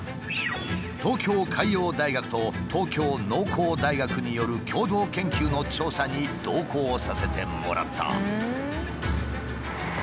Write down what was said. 東京海洋大学と東京農工大学による共同研究の調査に同行させてもらった。